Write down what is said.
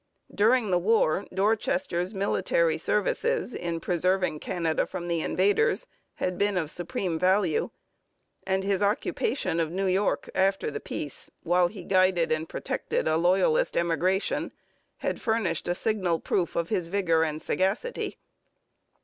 During the war Dorchester's military services in preserving Canada from the invaders had been of supreme value; and his occupation of New York after the peace, while he guided and protected the Loyalist emigration, had furnished a signal proof of his vigour and sagacity.